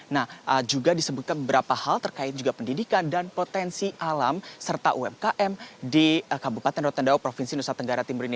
nah juga disebutkan beberapa hal terkait juga pendidikan dan potensi alam serta umkm di kabupaten rotendao provinsi nusa tenggara timur ini